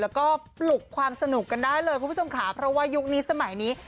แล้วก็ปลุกความสนุกกันได้เลยคุณผู้ชมค่ะเพราะว่ายุคนี้สมัยนี้